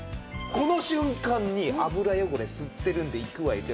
この瞬間に油汚れ吸ってるんでいくわよいくわよ。